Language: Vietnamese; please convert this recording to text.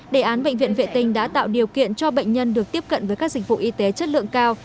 đề án bệnh viện vệ tinh đã tạo điều kiện cho bệnh nhân được tiếp cận với các dịch vụ y tế chất lượng cao